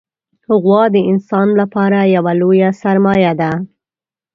غوا د انسان لپاره یوه لویه سرمایه ده.